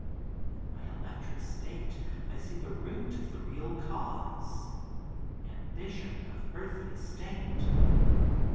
In my electric state I see the root of the real cause—ambition of earthly state.